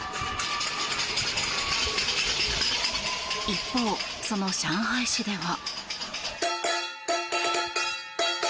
一方、その上海市では。